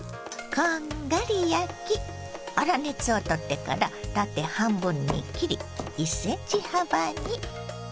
こんがり焼き粗熱を取ってから縦半分に切り１ｃｍ幅に。